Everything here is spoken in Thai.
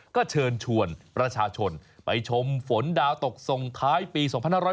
ก็เชิญชวนประชาชนไปชมฝนดาวตกส่งท้ายปี๒๕๖๐